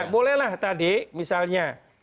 bolehlah tadi misalnya